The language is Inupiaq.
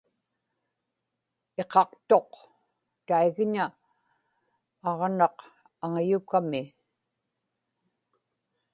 iqaqtuq taigña aġnaq aŋayukami